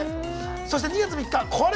そして２月３日これ！